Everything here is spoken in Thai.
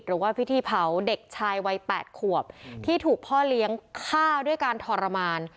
หรือว่าพิธีเผาเด็กชายวัย๘ขวบที่ถูกพ่อเลี้ยงฆ่าด้วยการทรมาน